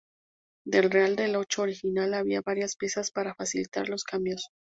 Del real de a ocho original había varias piezas para facilitar los cambios.